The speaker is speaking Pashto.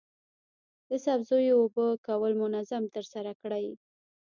د سبزیو اوبه کول منظم ترسره کړئ.